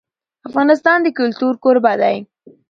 افغانستان د کلتور کوربه دی.